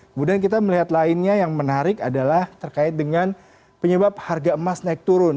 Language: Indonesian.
kemudian kita melihat lainnya yang menarik adalah terkait dengan penyebab harga emas naik turun